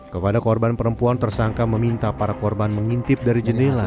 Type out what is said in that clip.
kepada korban perempuan tersangka meminta para korban mengintip dari jendela